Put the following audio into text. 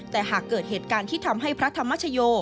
แต่หากเกิดเหตุการณ์ที่ทำให้พระธรรมชโย